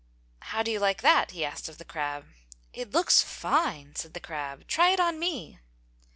"How do you like that?" he asked of the crab. "It looks fine!" said the crab. "Try it on me!"